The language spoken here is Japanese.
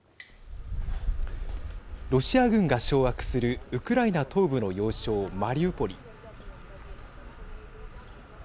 ロシア軍が掌握するウクライナ東部の要衝マリウポリ。